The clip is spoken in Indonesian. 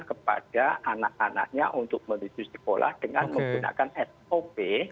kepada anak anaknya untuk menuju sekolah dengan menggunakan sop